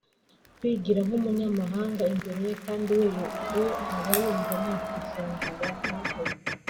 kwigira nk’umunyamahanga imbere ye kandi we aba yumva mwakwisanzuranaho